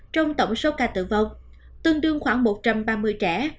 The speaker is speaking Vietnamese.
trong tổng số ca tử vong tương đương khoảng một trăm ba mươi trẻ